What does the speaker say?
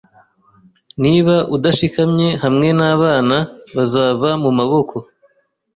Niba udashikamye hamwe nabana, bazava mumaboko.